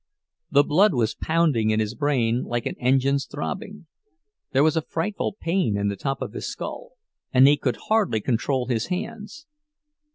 The blood was pounding in his brain like an engine's throbbing; there was a frightful pain in the top of his skull, and he could hardly control his hands.